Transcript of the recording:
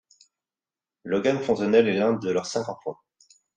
Logan Fontenelle est l'un de leurs cinq enfants.